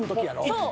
そう。